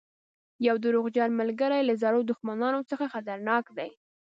یو دروغجن ملګری له زرو دښمنانو څخه خطرناک دی.